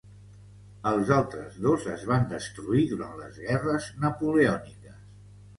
Els altres dos es van destruir durant les Guerres Napoleòniques.